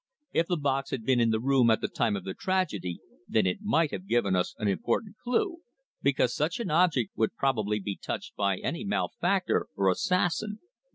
If the box had been in the room at the time of the tragedy, then it might have given us an important clue, because such an object would probably be touched by any malefactor or assassin.